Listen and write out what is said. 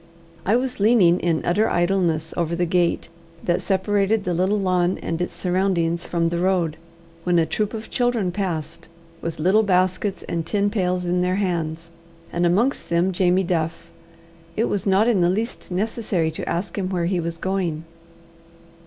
I was leaning in utter idleness over the gate that separated the little lawn and its surroundings from the road, when a troop of children passed, with little baskets and tin pails in their hands; and amongst them Jamie Duff. It was not in the least necessary to ask him where he was going.